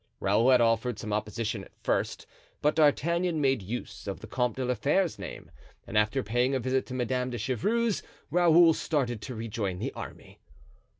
Raoul had offered some opposition at first; but D'Artagnan made use of the Comte de la Fere's name, and after paying a visit to Madame de Chevreuse, Raoul started to rejoin the army.